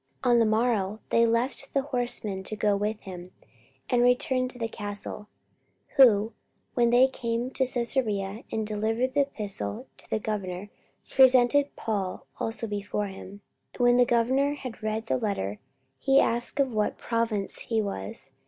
44:023:032 On the morrow they left the horsemen to go with him, and returned to the castle: 44:023:033 Who, when they came to Caesarea and delivered the epistle to the governor, presented Paul also before him. 44:023:034 And when the governor had read the letter, he asked of what province he was.